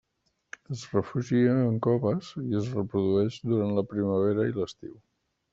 Es refugia en coves i es reprodueix durant la primavera i l'estiu.